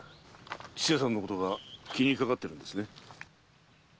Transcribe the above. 千世さんのことが気にかかってるんですね？